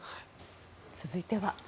続いては。